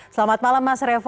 selamat malam mas revo